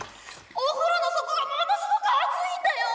お風呂の底がものすごく熱いんだよ！